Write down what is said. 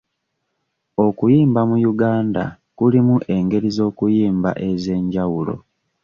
Okuyimba mu Uganda kulimu engeri z'okuyimba ez'enjawulo.